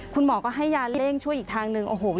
คุณหมอก็ให้ยาเล่งช่วยอีกทางนึง